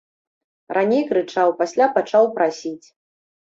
Раней крычаў, пасля пачаў прасіць.